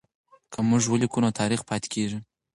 که موږ ولیکو نو تاریخ پاتې کېږي.